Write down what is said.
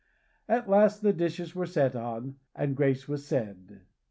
At last the dishes were set on, and grace was said.